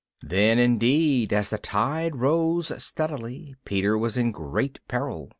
Then indeed, as the tide rose steadily, Peter was in great peril.